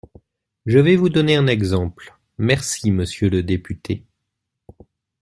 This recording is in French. Je vais vous donner un exemple… Merci, monsieur le député.